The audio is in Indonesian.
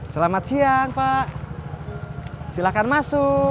selamat siang pak silakan masuk